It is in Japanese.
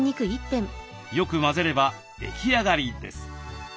よく混ぜれば出来上がりです。